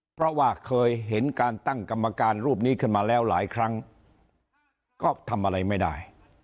เพราะว่าเคยเห็นการตั้งกรรมการรูปนี้ขึ้นมาแล้วหลายครั้งก็ทำอะไรไม่ได้